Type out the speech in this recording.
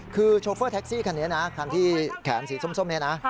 คือโชเฟอร์แท็กซี่คันนี้นะคันที่แขนสีส้มนี้นะ